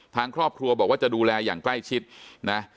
ทางครอบครัวบอกว่าจะดูแลอย่างใกล้ชิดนะ